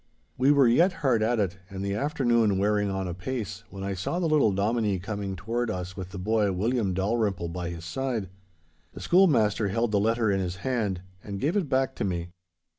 We were yet hard at it, and the afternoon wearing on apace when I saw the little Dominie coming toward us with the boy William Dalrymple by his side. The schoolmaster held the letter in his hand and gave it back to me.